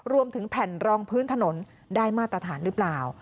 รวมถึงแผ่นรองพื้นถนนได้มาตรฐานหรือเปล่า